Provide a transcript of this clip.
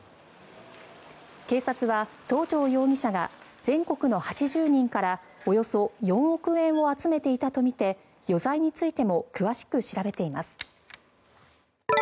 警察は、東條容疑者が全国の８０人からおよそ４億円を集めていたとみて余罪についても詳しく調べています。